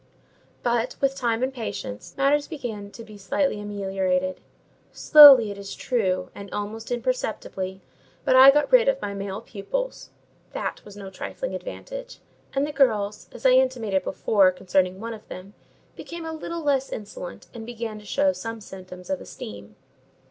But, with time and patience, matters began to be slightly ameliorated: slowly, it is true, and almost imperceptibly; but I got rid of my male pupils (that was no trifling advantage), and the girls, as I intimated before concerning one of them, became a little less insolent, and began to show some symptoms of esteem.